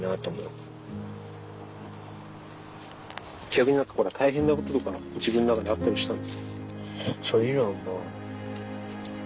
逆に大変なこととか自分の中であったりしたの？